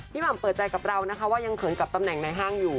หม่ำเปิดใจกับเรานะคะว่ายังเขินกับตำแหน่งในห้างอยู่